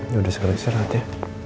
ya udah sekarang istirahat ya